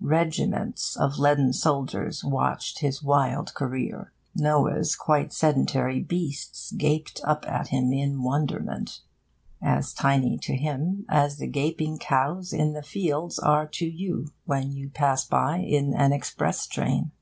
Regiments of leaden soldiers watched his wild career. Noah's quiet sedentary beasts gaped up at him in wonderment as tiny to him as the gaping cows in the fields are to you when you pass by in an express train.